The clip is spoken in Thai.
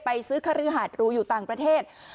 ซื้อครือหาดรูอยู่ต่างประเทศ